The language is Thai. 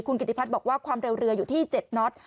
คุณกิติพัฒน์บอกว่าความเร็วเรืออยู่ที่๗น็อต